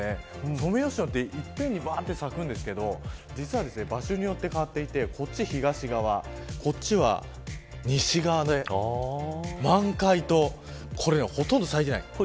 ソメイヨシノっていっぺんに咲くんですけど実は場所によって変わっていてこっちは東側こっちは西側で満開と、これはほとんど咲いてない。